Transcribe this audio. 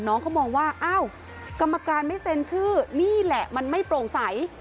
น้องเขามองว่าอ้าวกรรมการไม่เซ็นชื่อนี่แหละมันไม่โปร่งใส